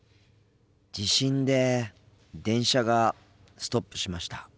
地震で電車がストップしました。